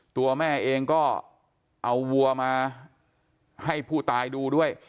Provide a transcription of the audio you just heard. ตัวแม่เองก็เอาวัวมาให้ผู้ตายดูด้วย